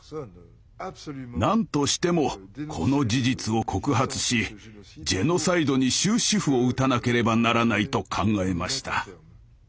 なんとしてもこの事実を告発しジェノサイドに終止符を打たなければならないと考えました。